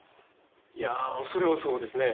いやあそれはそうですね。